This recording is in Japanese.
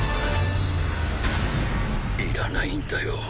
いらないんだよ